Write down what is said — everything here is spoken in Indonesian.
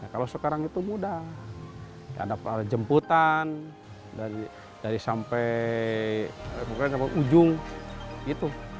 kalau sekarang itu mudah ada jemputan dari sampai ujung itu